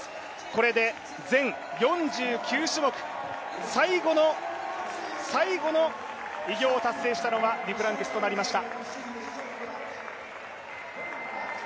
これで全４９種目、最後の最後の偉業を達成したのはデュプランティスとなりました。